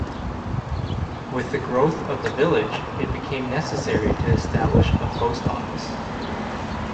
With the growth of the village, it became necessary to establish a post office.